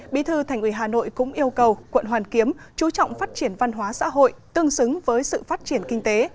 bí thư thành ủy hà nội cũng yêu cầu quận hoàn kiếm chú trọng phát triển văn hóa xã hội tương xứng với sự phát triển kinh tế